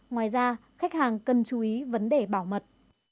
ngoài ra khách hàng cần chú ý vấn đề bảo mật